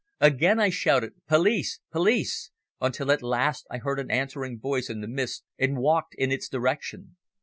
Again I shouted "Police! Police!" until at last I heard an answering voice in the mist and walked in its direction.